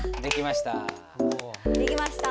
できました。